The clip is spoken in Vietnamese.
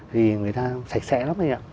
thì người ta sạch sẽ lắm anh ạ